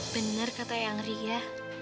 benar kata eang ria